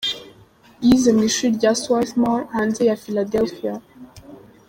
Yize muri ishuri rya Swarthmore hanze ya Philadelphia.